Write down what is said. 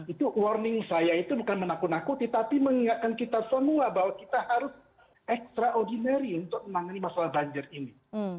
itu warning saya itu bukan menakut nakuti tapi mengingatkan kita semua bahwa kita harus extraordinary untuk menangani masalah banjir ini